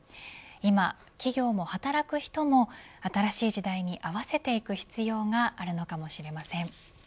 今、企業も働く人も新しい時代に合わせていく必要があるのかもしれません。